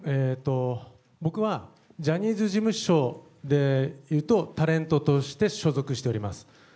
僕はジャニーズ事務所でいうと、タレントとして所属しております。